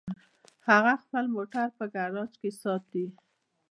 هغه خپل موټر په ګراج کې ساتي